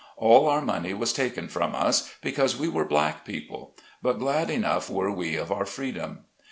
All our money was taken from us, because we were black people ; but glad enough were we of our freedom.